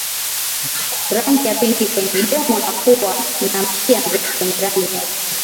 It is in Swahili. Rangi ya pinki kwenye midomo na pua na mkia mrefu wenye rangi nyeusi